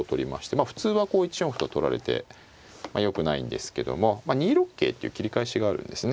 まあ普通はこう１四歩と取られてよくないんですけども２六桂っていう切り返しがあるんですね。